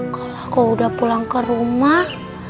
kalau kau udah pulang ke rumah